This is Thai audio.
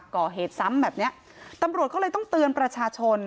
ก่อเหตุซ้ำแบบเนี้ยตำรวจเขาเลยต้องเตือนประชาชน